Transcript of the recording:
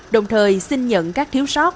đồng thời xin nhận các thiếu sót